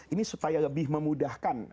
ini supaya lebih memudahkan